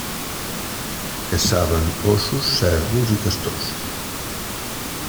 Caçaven óssos, cérvols i castors.